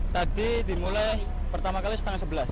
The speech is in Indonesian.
tadi dimulai pertama kali setengah sebelas